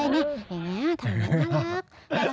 อย่างนี้ถามนั้นน่ารัก